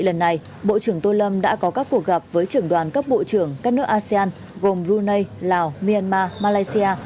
lần này bộ trưởng tô lâm đã có các cuộc gặp với trưởng đoàn cấp bộ trưởng các nước asean gồm brunei lào myanmar malaysia